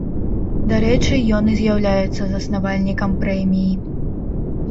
Дарэчы, ён і з'яўляецца заснавальнікам прэміі.